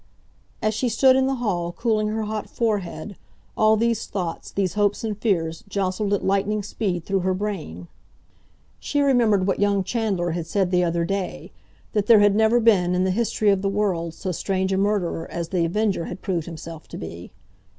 As she stood in the hall, cooling her hot forehead, all these thoughts, these hopes and fears, jostled at lightning speed through her brain. She remembered what young Chandler had said the other day—that there had never been, in the history of the world, so strange a murderer as The Avenger had proved himself to be.